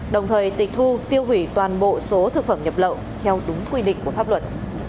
đồng thời tịch thu tiêu hủy toàn bộ số thực phẩm nhập lậu theo đúng quy định của pháp luật